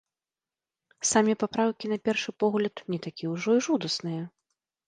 Самі папраўкі, на першы погляд, не такія ўжо і жудасныя.